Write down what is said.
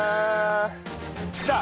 さあ！